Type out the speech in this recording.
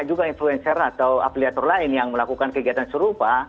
karena ada influencer atau apliator lain yang melakukan kegiatan serupa